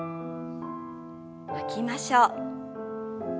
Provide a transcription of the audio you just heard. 吐きましょう。